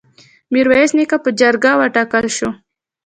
میرویس نیکه په جرګه وټاکل شو.